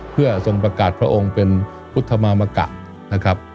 เพื่อทรงประกาศพระองค์เป็นพุทธมามกะนะครับ